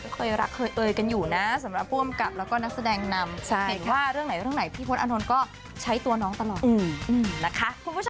เคยรักเคยเอ่ยกันอยู่นะสำหรับผู้อำกับแล้วก็นักแสดงนำเห็นว่าเรื่องไหนเรื่องไหนพี่พลตอานนท์ก็ใช้ตัวน้องตลอดนะคะ